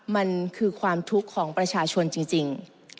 มันคือความทุกข์ของประชาชนจริง